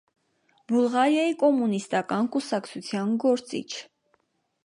Բուլղարիայի կոմունիստական կուսակցության գործիչ։